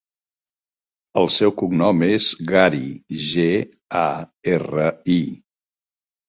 El seu cognom és Gari: ge, a, erra, i.